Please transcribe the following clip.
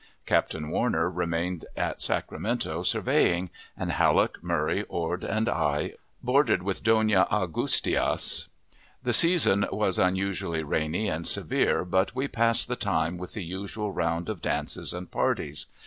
Captain Warner remained at Sacramento, surveying; and Halleck, Murray, Ord, and I, boarded with Dona Augustias. The season was unusually rainy and severe, but we passed the time with the usual round of dances and parties.